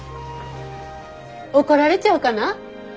怒られちゃうかな？